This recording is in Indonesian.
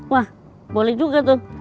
wah boleh juga tuh